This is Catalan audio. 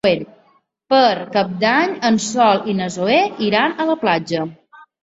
Per Cap d'Any en Sol i na Zoè iran a la platja.